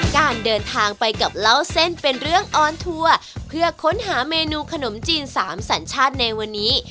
การเดินทางไปกับเล่าเส้นเป็นเรื่องออนทัวร์เพื่อค้นหาเมนูขนมจีนสามสัญชาติในวันนี้